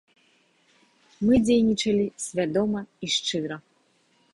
Мы дзейнічалі свядома і шчыра.